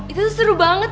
itu seru banget